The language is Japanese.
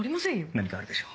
何かあるでしょ？